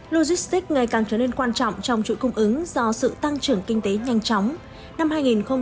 logistics ngày càng trở nên quan trọng trong chuỗi cung ứng do sự tăng trưởng kinh tế nhanh chóng